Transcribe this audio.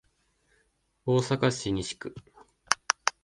大阪市西区